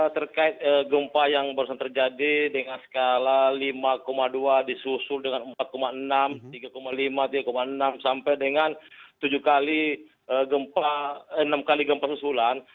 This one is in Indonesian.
terkait gempa yang barusan terjadi dengan skala lima dua disusul dengan empat enam tiga lima tiga enam sampai dengan tujuh kali gempa enam kali gempa susulan